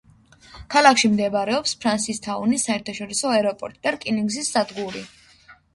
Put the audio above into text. ქალაქში მდებარეობს ფრანსისთაუნის საერთაშორისო აეროპორტი და რკინიგზის სადგური.